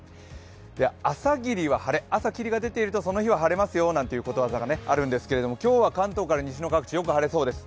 朝霧は晴れ、朝霧が出ているとその日は晴れますよということわざがあるんですけれども、今日は関東から西の各地、よく晴れそうです。